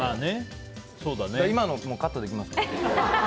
今のもカットできますか。